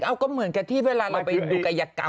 เอาก็เหมือนกับที่เวลาเราไปดูกายกรรม